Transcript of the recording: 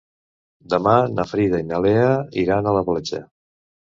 Demà na Frida i na Lea iran a la platja.